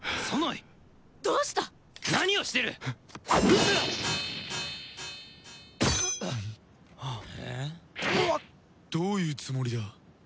えっ？どういうつもりだ？